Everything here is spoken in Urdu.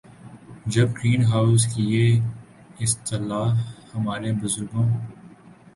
جب گرین ہاؤس کی یہ اصطلاح ہمارے بزرگوں